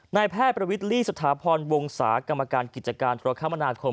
นายแพทย์ประวิทลี่สถาพรวงศากรรมการกิจการธุรกรรมนาคม